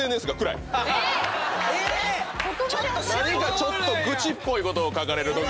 何かちょっと愚痴っぽいことを書かれるときがある。